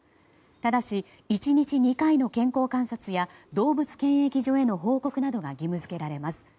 ただし、１日２回の健康観察や動物検疫所への報告などが義務付けられます。